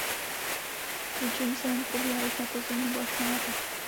Klíčení semen probíhá již na podzim nebo až na jaře.